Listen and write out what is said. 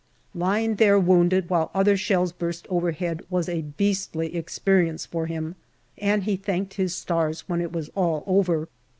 Lying there wounded while other shells burst overhead was a beastly experience for him, and he thanked his stars when it was all over.